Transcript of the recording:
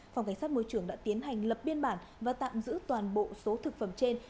phòng cảnh sát môi trường đã tiến hành lập biên bản và tạm giữ toàn bộ số thực phẩm trên